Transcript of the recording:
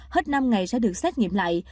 hết năm ngày sẽ được xét nghiệm lại